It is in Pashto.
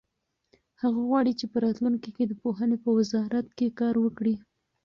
هغه غواړي چې په راتلونکي کې د پوهنې په وزارت کې کار وکړي.